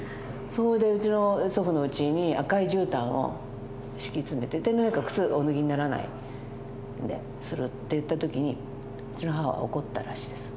それで祖父のうちに赤いじゅうたんを敷き詰めてて天皇陛下靴お脱ぎにならないでするっていった時にうちの母は怒ったらしいです。